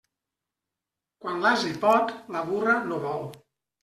Quan l'ase pot, la burra no vol.